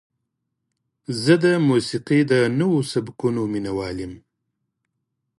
زه د موسیقۍ د نوو سبکونو مینهوال یم.